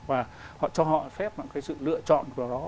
và họ cho họ phép một cái sự lựa chọn của đó